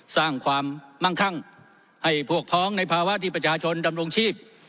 สร้างความมั่งคั่งให้พวกพ้องในภาวะที่ประชาชนดำรงชีพ